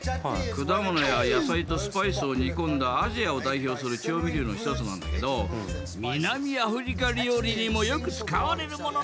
果物や野菜とスパイスを煮込んだアジアを代表する調味料の一つなんだけど南アフリカ料理にもよく使われるものなんだよ。